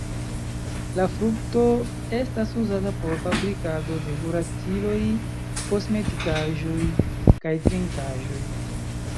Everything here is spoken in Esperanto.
La frukto estas uzata por fabrikado de kuraciloj, kosmetikaĵoj, kaj trinkaĵoj.